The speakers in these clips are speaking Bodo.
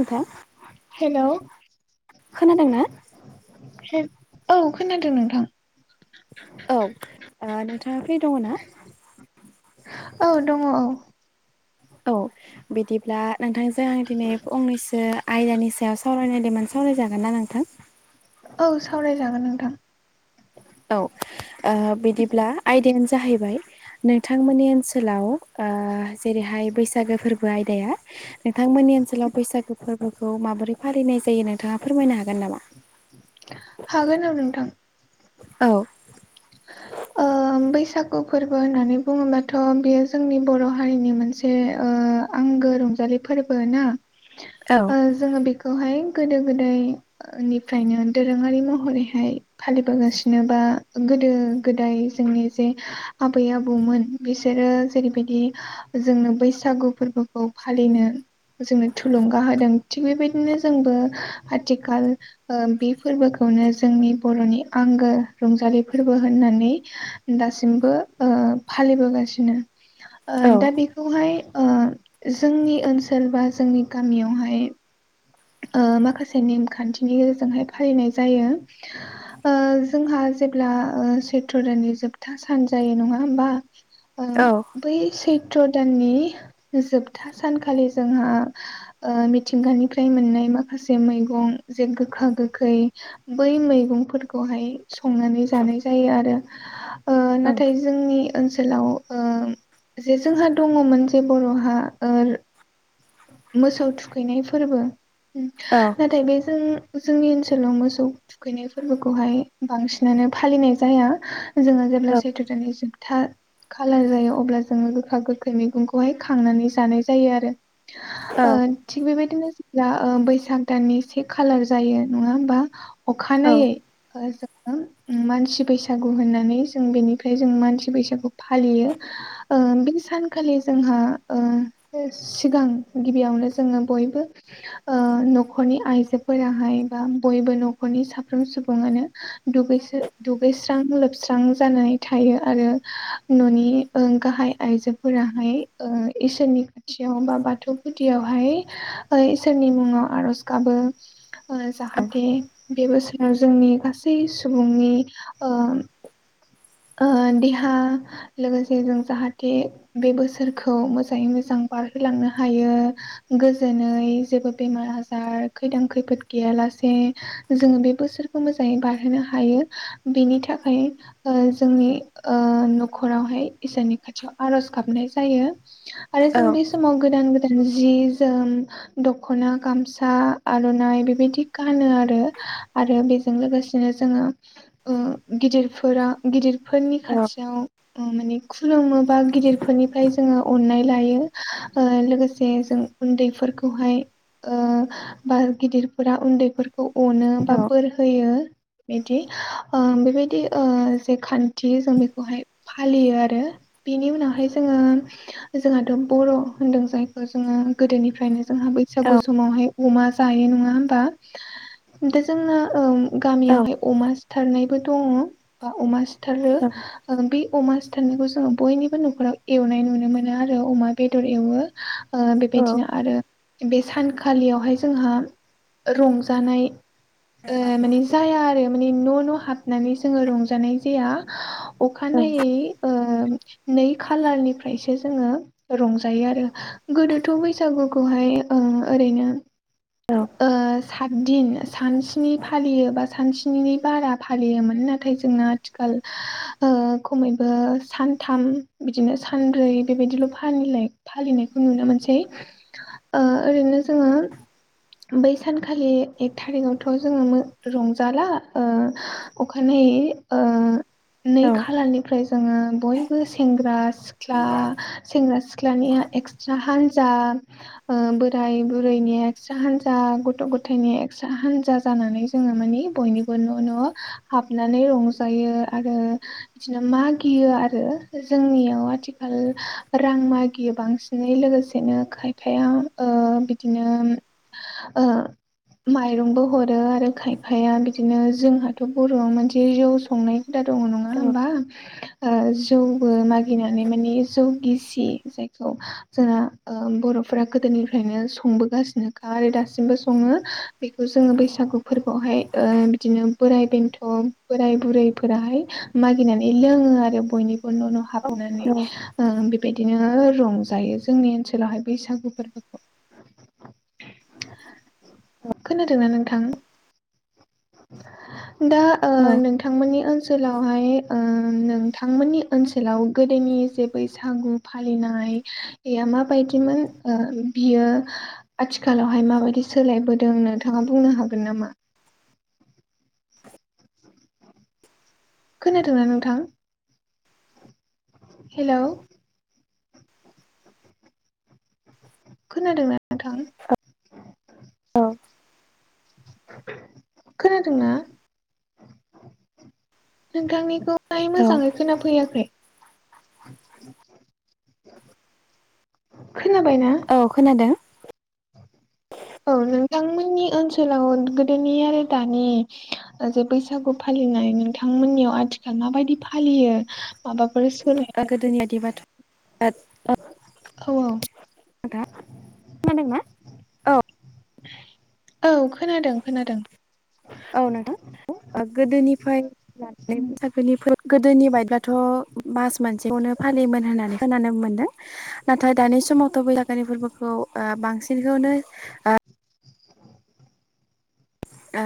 नोंथां हेलौ खोनादों ना? औ खोनादों नोंथां। औ ओ नोंथाङा फ्रि दङ ना? औ दङ औ औ औ बिदिब्ला नोंथांजों आं दिनै फंनैसो आयदानि सायाव सावरायनो मोन, सावरायजागोन ना नोंथां? औ सावरायजागोन नोंथां। औ ओ बिदिब्ला आयदायानो जाहैबाय नोंथांमोननि ओनसोलाव ओ जेरैहाय बैसागो फोरबो आयदाया नोंथांमोननि ओनसोलाव बैसागो फोरबोखौ माबोरै फालिनाय जायो नोंथाङा फोरमायनो हागोन नामा? हागोन ओं नोंथां। औ। ओम बैसागु फोरबो होननानै बुङोबाथ' बियो जोंनि बर' हारिनि मोनसे ओ आंगो रंजालि फोरबो ना? औ ओ जोङो बेखौहाय गोदो गोदायनिफ्रायनो दोरोङारि महरैहाय फालिबोगासिनो बा गोदो गोदाय जोंनि जे आबै आबौमोन बिसोरो जेरैबायदि जोंनो बैसागु फोरबोखौ फालिनो जोंनो थुलुंगा होदों थिग बेबायदिनो जोंबो आथिखाल ओ बे फोरबोखौ नो जोंनि बर'नि आंगो रंजालि फोरबो होननानै दासिमबो ओ फालिबोगासिनो। ओ औ दा बिखौहाय ओ जोंनि ओनसोल बा जोंनि गामियावहाय ओ माखासे नेमखान्थिनि गेजेरजोंहाय फालिनाय जायो। ओ जोंहा जेब्ला ओ सैत्र दाननि जोबथा सान जायो नङा होमबा? ओम बै सै त्र दाननि जोबथा सानखालि जोंहा ओ मिथिंगानि फ्राय मोननाय माखासे मैगं जे गोखा गोखै बै मैगंफोरखौहाय संनानै जानाय जायो आरो। ओ औ नाथाय जोंनि ओनसोल आव ओ जे जोंहा दङमोन जे बर'हा ओ मोसौ थुखैनाय फोरबो औ नाथाय बे जों जोंनि ओनसोलाव मोसौ थुखैनाय फोरबोखौहाय बांसिनानो फालिनाय जाया। जोङो जेब्ला सैथ्र' दाननि जोबथा खालार जायो अब्ला जोङो गोखा गोखै मैगंखौहाय खांनानै जानाय जायो आरो। औ ओ थिग बेबायदिनो जा ओ बैसाग दाननि से खालार जायो नङा होमबा औ अखानायै [unintelligible] मानसि बैसागु होननानै जों बेनिफाय जों मानसि बैसागु फालियो ओ बिनि सान खालि जोंहा ओ सिगां गिबियावनो जोङो बयबो ओ न'खरनि आइजोफोराहाय बा बयबो न'खरनि साफ्रोम सुबुङानो दुगैसो दुगैस्रां लोबस्रां जानानै थायो। यो आरो न'नि ओ गाहाय आइजोफोराहाय ओ इसोरनि सिंआव बा बाथौ गुदियावहाय ओ इसोरनि मुङाव आरज गाबो ओ जाहाथे बे बोसोराव जोंनि गासै सुबुंनि ओम ओ देहा लोगोसे जों जाहाथे बे बोसोरखौ मोजाङै मोजां बारहलांनो हायो गोजोनै जेबो बेमार आजार खैदां खैफोद गैयालासे जोङो बे बोसोरखौ मोजाङै बारहोनो हायो बेनि थाखाय ओ जोंनि ओ न'खरावहाय इसोरनि खाथियाव आरज गाबनाय जायो। आरो जों बे समाव गोदान नजि जोम दख'ना गामसा आर'नाइ बेबायदि गानो आरो आरो बेजों लोगोसेनो जोङो ओ गिदिरफोरा गिदिरफोरनि खाथियाव ओ माने खुलुमोबा गिदिरफोरनिफ्राय जोङो अन्नाय लायो ओ लोगोसे जों उन्दैफोर गिदिरफोरखौहाय ओ बा गिदिरफोरा उन्दैफोरखौ अनो बा बोर होयो बिदि ओ बेबायदि ओ खान्थि जों बेखौहाय फालियो आरो बेनि उनावहाय जोङो जोंहाथ' बर बर' होनदों जायखौ जोङो गोदोनिफ्रायनो जोंहा बैसागु समावहाय अमा जायो नङा होमबा दा जोंना ओ गामियावहाय अमा सिथारनायबो दङ बा अमा सिथारो ओ बे अमा बुथारनायखौ जोङो बयनिबो न'खराव एवनाय नुनो मोनो आरो अमा बेदर एवो ओ औ बेबायदिनो आरो बे सानखालियावहाय जोंहा रंजानाय ओ माने जाया आरो माने न' न' हाबनानै जोङो रंजानाय जाया औ अखानायै ओ नै खालारनिफ्रायसो जोङो रंजायो आरो गोदोथ' बैसागुखौ हाय ओ ओरैनो औ दिन सानस्नि फालियो बा सानस्निनि बारा फालियोमोन नाथाय जोंना आथिखाल ओ खमैबो सानथाम बिदिनो सानब्रै बेबायदिल' फालियो फालिनायखौ नुनो मोनसै ओ ओरैनो जोङो बै सानखालि एक थारिखआवथ' जोङो रंजाला ओ अखानायै ओ औ नै खालनिफ्राय जोङो बयबो सेंग्रा सिख्ला सेंग्रा सिख्ला सिख्लानिया एक्सट्रा हान्जा ओ बोराय बुरैनिया एक्सट्रा हान्जा गथ' गथ' नि एक्सट्रा हानजा जानानै जोङो मानि बयनिबो न' न' हाबनानै रंजायो आरो बिदिनो मागियो आरो जोंनियाव आथिखाल रां मागियो बांसिनै लोगोसेनो खायफाया ओ बिदिनो ओ माइरंबो हरो आरो खायफाया बिदिनो जोंहाथ' बर'आव मोनसे ज' ज संनाय हुदा दङ नङा होमबा ओ जौबो मागिनानै मानि जौ गिसि जायखौ जोंना ओ बर' बर'फोरा गोदोनिफ्रायनो संबोगासिनोखा आरो दासिमबो सङो बेखौ जोङो बैसागु फोरबोआव बेहाय ओ बिदिनो बोराय बेनथ' बोराइ बुरैफोराहाय मागिनानै लोङो आरो बयनि बो न' न' औ हाबनानै बेबायदि बिदिनो रंजायो जोंनि ओनसोलावहाय बैसागु फोरबोखौ खोनादोंना नोंथां दा ओ नोंथांमोननि ओनसोलावहाय ओ नोंथांमोननि ओनसोलाव गोदोनि जे बैसागु फालिनाय माबायदिमोन ओ बियो आथिखालावहाय माबायदि सोलायबोदों जों नोंथाङा बुंनो हागोन नामा खोनादोंना नोंथां हेल' खोनादों ना नोंथां औ खोनादोंना नोंथांनिखौ मोजाङै खोनाफैयाखै [unintelligible] औ खोनादों औ नोंथांमोननि ओनसोलाव गोदोनि आरो दानि जे बैसागु फालि फालिनाय नोंथांमोननियाव आथिखाल माबायदि फालियो माबाफोर सोलाय आगो दनियााद बाथ' औ औ औ खोनादों खोनादों। औ नोंथा गोदोनिफ्राय गोदोनि बायदिब्लाथ' मास मोनसेखौनो फालियोमोन होननानै खोनानो मोन्दों। नाथाय दानि समावथ' बैसागोनि फोरबोखौ बांसिनखौनो ओ ओ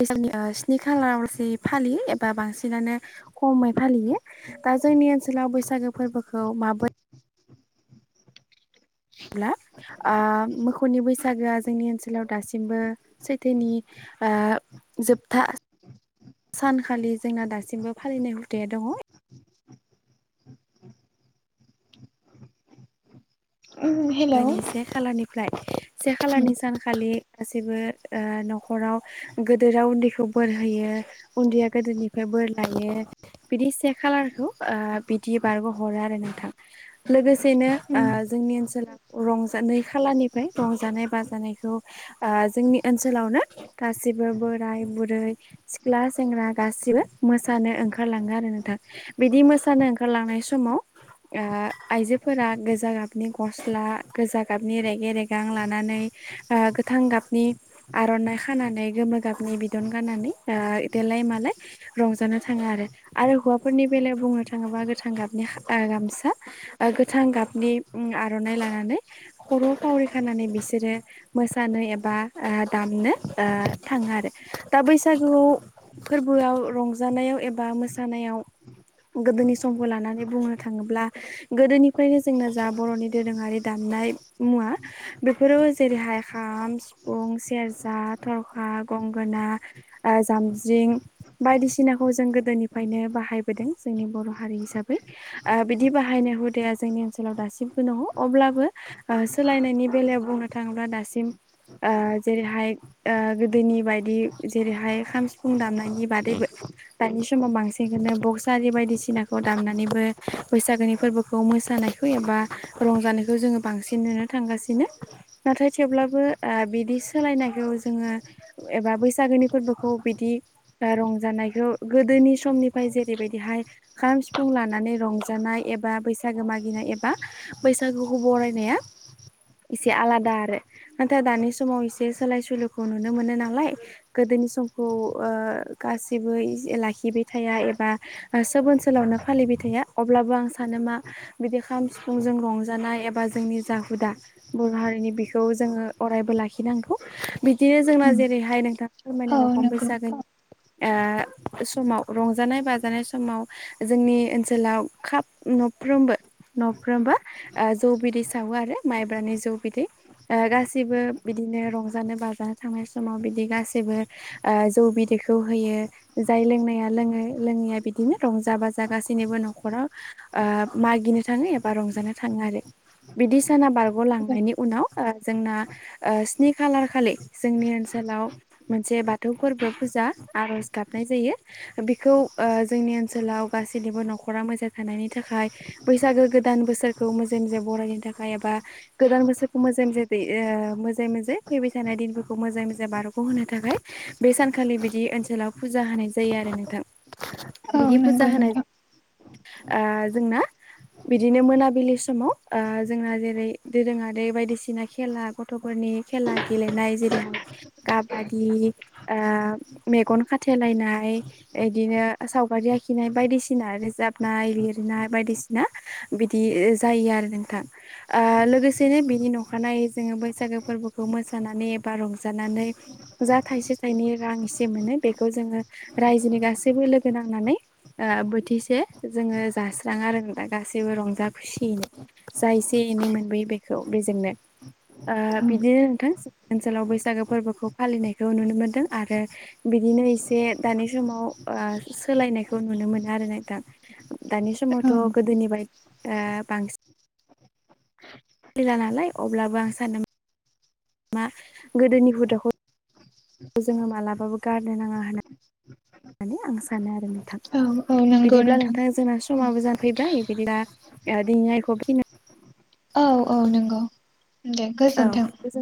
बैसागोनि स्नि खालारावलासे फालियो एबा बांसिनानो खमै फालियो। दा जोंनि ओनसोलाव बैसागो फोरबोखौ माबोरै जाब्ला ओ मोखौनि बैसागोआ जोंनि ओनसोलाव दासिमबो सैथोनि ओ जोबथा सानखालि जोंना दासिमबो फालिनाय हुथाया दङ'। उम हेलौ आगोनि से खालारनिफ्राय से उम खालारनि सानखालि गासैबो ओ न'खराव गोदोराव उन्दैखौ बोर होयो उन्दैया गोदोनिफ्राय बोर लायो। बिदि से खालारखौ ओ बिदि बारग'हरो आरो नोंथां लोगोसे बेनो उम जोंनि ओनसोलाव रंजानाय खालानिफ्राय रंजानाय बाजानायखौ ओ जोंनि ओनसोलावनो गासै गासिबो बोराय बुरै सिख्ला सेंग्रा गासिबो मोसानो ओंखारलाङो आरो नोंथां। बिदि मोसानो ओंखारलांनाय समाव ओ आइजोफोरा गोजा गाबनि गस सला गोजा गाबनि रेगे रेगां लानानै ओ गोथां गाबनि आर'नाइ खाना नानै गोमो गाबनि बिदन गनानै ओ देलाय मालाय रंजानो थाङो आरो हौ फोरनि बेलायाव बुंनो थाङोबा गोथां गाबनि ओ गामसा गोथां गाबनि उम आर'नाइ लानानै खर' खावरि खानानै बिसोरो मोसानो एबा ओ दामनो ओ थाङो आरो दा बैसागुआव फोरबोआव रंजानायाव एबा मोसानायाव गोदोनि समखौ लानानै बुंनो थाङोब्ला गोदोनिफ्रायनो जोंना जा बर'नि दोरोङारि दामनाय मुवा बेफोराव जेरैहाय खाम सिफुं सेरजा थरखा गंगोना जामज्रिं बायदिसिनाखौ जों गोदोनिफ्रायनो बाहायबोदों जोंनि बर' हारि हिसाबै ओ बिदि बाहायनाय हुदाया जोंनि ओनसोलाव दासिम दङ' अब्लाबो सोलायनायनि बेलायाव बुंनो थाङोब्ला दासिम ओ जेरैहाय ओ गोदोनि बायदि जेरैहाय खाम सिफुं दामनायनि बादैबो दानि समाव बांसिनखौनो बक्स आरि बायदिसिनाखौ दामनानैबो बैसागोनि फोरबोखौ मोस मोसानायखौ एबा रंजानायखौ जोङो बांसिन नुनो थांगासिनो। नाथाय थेवब्लाबो ओ बिदि सोलायनायखौ जोङो एबा बैसागोनि फोरबोखौ बिदि रंजानायखौ गोदोनि समनिफ्राय जेरैबायदिहाय खाम सिफुं लानानै रंजानाय एबा बैसागो मागिनाय एबा बैसागोखौ बरायनाया एसे आलादा आरो नाथाय दानि समाव एसे सोलाय सोलुखौ नुनो मोनो नालाय गोदो गोदोनि समखौ ओ गासिबो लाखिबाय थाया एबा सोब ओनसोलावनो फ फालिबाय थाया अब्लाबो आं सानो मा बिदि खालाम फुंजों रंजानाय एबा जोंनि जा हुदा बर' हारिनि बिखौ जोङो अरायबो लाखिनांगौ। बिदिनो जोंना उम जेरैहाय नोंथाङा फोरमायना औ रखम नंगौ बैसागो आ समाव रंजानाय बाजानाय समाव जोंनि ओनसोलाव खाब न'फ्रोमबो न'फ्रोमबा जौ बिदै सावो आरो माइब्रानि जौ बिदै गासिबो बिदिनो रंजानो बाजानो थांनाय समाव बिदि गाैबो जौ बिदै बेखौ होयो जाय लोंनाया लोङै लोङैया बिदिनो रंजा बाजा गासैनोबो न'खराव मागिनो थाङो एबा रंजानो थाङो आरो। बिदि साना बारग'लांनायनि उनाव जोंना स्नि खालार खालि जोंनि ओनसोल नाव मोनसे बाथौ फोरबो फुजा आरज गाबनाय जायो बेखौ जोंनि ओनसोलाव गासैनिबो न'खरा मोजां थानायनि थाखाय बैसागो गोदान गोदान बोसोरखौ मोजाङै मोजा बरायनो थाखाय एबा गोदान बोसोरखौ मोजां जाहाथे मोजाङै मोनसे फैबाय थानाय दिनफोरखौ मोजाङै मोजां बारग' होनो थाखाय बे सानखालि बिदि ओनसोलाव फुजा होनाय जायो आरो बे नोथां औ नंगौ नंगौ। जोंना। बिदिनो मोनाबिलि समाव जोंना जेरै दोरोङारि बायदिसिना खेला गथ'फोरनि खेला गेलेनाय जेरैहाय काबादि मेगन खाथेलायनाय ओमफ्राय बिदिनो सावगारि आखिनाय बायदिसिना रोजाबनाय लिरनाय बायदिसिना बिदि जायो आरो नोंथां लोगोसेनो बिनि नखानाय जोङो बैसागो फोरबो फोरबोखौ मोसानानै एबा रंजानानै जा थाइसे थाइनै रां एसे मोनो बेखौ जोङो रायजोनि गासैबो लोगो नांनानै बोथिसे जोङो जास्रांङो आरो दा गासैबो रंजा खुसियैनो जा एसे एनै मोनबोयो बेखौ बेजोंनो। औ बिदिनो नोंथां ओनसोलाव बैसागो फोरबोखौ फालिनायखौ नुनो मोनदों आरो बिदिनो एसे दानि समाव सोलायनायखौ नुनो मोनो आरो नोंथां दानि औ समावथ' - गोदोनिफ्राय बांसिन खिला नालाय अब्लाबो आं सानदोंमोन मा गोदोनि हुदाखौ खौ जोङो मालाबाबो गारनो नाङा होननानै होननानै आं सानो आरो नोंथां औ औ नंगौ बिदिब्ला नोंथां जोंना समाबो जाफैबाय ा आदियायखौिना [inaudible] [unintelligible] औ औ नंगौ दे औ गोजोनथों गोजोन